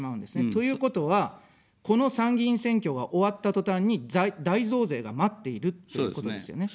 ということは、この参議院選挙が終わったとたんに大増税が待っているということですよね。